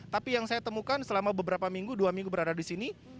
tapi yang saya temukan selama beberapa minggu dua minggu berada di sini